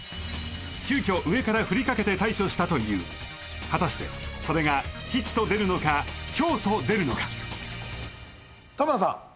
急遽上からふりかけて対処したという果たしてそれが吉と出るのか凶と出るのか田村さん